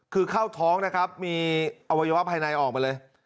คือเข้าท้องนะครับมีอวัยวะภายในออกมาเลย